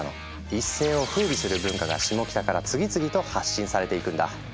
一世をふうびする文化がシモキタから次々と発信されていくんだ。